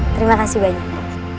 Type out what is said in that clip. terima kasih banyak